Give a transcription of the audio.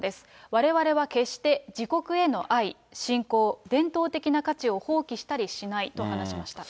われわれは決して自国への愛、信仰、伝統的な価値を放棄したりしないと話しました。